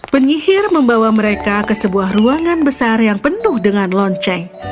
penyihir membawa mereka ke sebuah ruangan besar yang penuh dengan lonceng